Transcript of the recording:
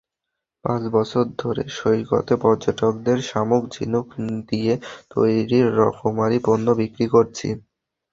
পাঁচ বছর ধরে সৈকতে পর্যটকদের শামুক-ঝিনুক দিয়ে তৈরি রকমারি পণ্য বিক্রি করছি।